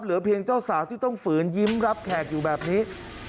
เหลือเพียงเจ้าสาวที่ต้องฝืนยิ้มรับแขกอยู่แบบนี้